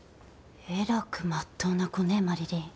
えらくまっとうな子ねマリリン。